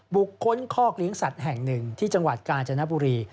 บุคคลคอกเลี้ยงสัตว์แห่งหนึ่งที่จังหวัดกาญจนบุรี